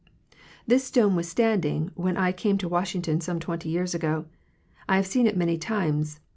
This stone was standing when I came to Washington, some twenty years ago; I have seen it many times.